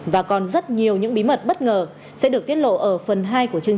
và còn rất nhiều những bí mật bất ngờ sẽ được tiết lộ ở phần hai